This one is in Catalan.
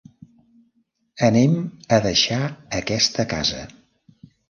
Anem a deixar aquesta casa.